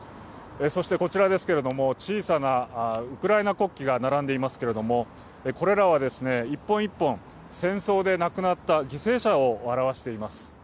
こちらですけれども、小さなウクライナ国旗が並んでいますけれども、これらは１本１本、戦争で亡くなった犠牲者を表しています。